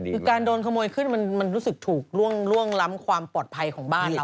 คือการโดนขโมยขึ้นมันรู้สึกถูกล่วงล้ำความปลอดภัยของบ้านเรา